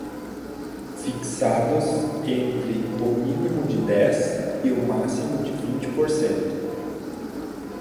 fixados entre o mínimo de dez e o máximo de vinte por cento